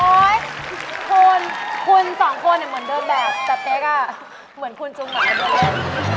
โอ๊ยคุณคุณสองคนเหมือนเดิมแบบแต่เต๊กอ่ะเหมือนคุณจุงเหมือนกันด้วยเลย